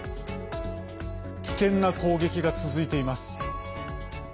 危険な攻撃が続いています。